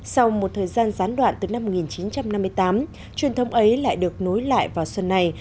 sau một thời gian gián đoạn từ năm một nghìn chín trăm năm mươi tám truyền thông ấy lại được nối lại vào xuân này